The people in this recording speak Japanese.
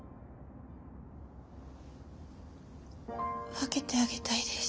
分けてあげたいです